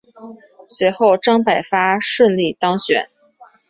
随后张百发顺利当选。